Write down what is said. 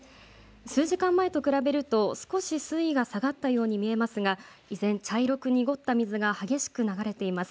数時間前と比べると少し水位が下がったように見えますが依然、茶色く濁った水が激しく流れています。